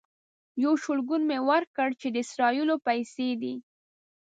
یو شلګون مې ورکړ چې د اسرائیلو پیسې دي.